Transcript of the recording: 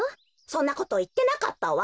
そんなこといってなかったわ。